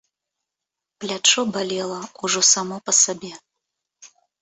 Плячо балела ўжо само па сабе.